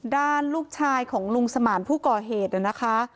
ด้านลูกชายของลุงสมานผู้ก่อเหตุนะคะ